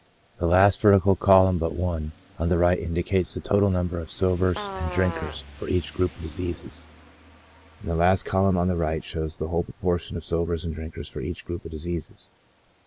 The last vertical column but one on the, right indicates the total number of sobers and drinkers for each group of diseases j and the last column on the right shows the whole proportion of sobers and drinkers for each group of diseases.